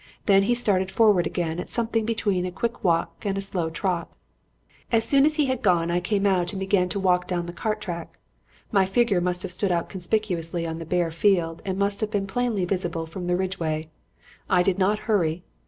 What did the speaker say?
Then he started forward again at something between a quick walk and a slow trot. "As soon as he had gone I came out and began to walk down the cart track. My figure must have stood out conspicuously on the bare field and must have been plainly visible from the ridge way. I did not hurry.